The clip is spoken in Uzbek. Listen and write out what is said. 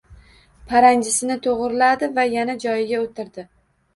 Paranjisini to`g`riladi va yana joyiga o`tirdi